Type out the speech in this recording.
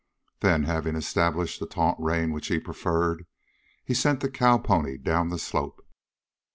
Then, having established the taut rein which he preferred, he sent the cow pony down the slope.